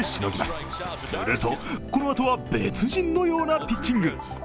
すると、このあとは別人のようなピッチング。